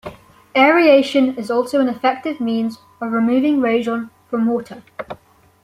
Aeration is also an effective means of removing radon from water.